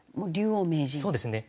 そうですね。